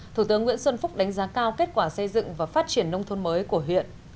thủ tướng nguyễn xuân phúc đánh giá cao kết quả xây dựng và phát triển nông thôn mới của huyện